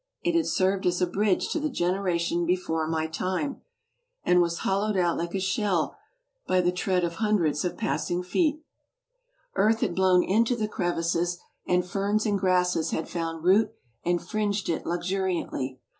It had served as a bridge to the generation before my time, and was hol lowed out like a shell by the tread of hundreds of passing '"'„,. .,Google feet. Earth had blown into the crevices, and ferns and grasses had found root and fringed it luxuriandy.